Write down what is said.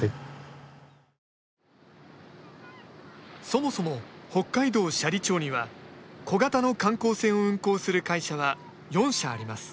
そもそも、北海道斜里町には小型の観光船を運航する会社は４社あります。